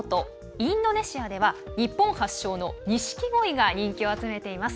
インドネシアでは日本発祥の錦鯉が人気を集めています。